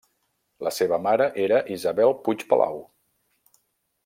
La seva mare era Isabel Puig Palau.